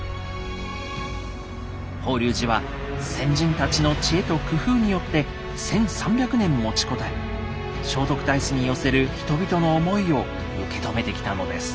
法隆寺は先人たちの知恵と工夫によって１，３００年持ちこたえ聖徳太子に寄せる人々の思いを受け止めてきたのです。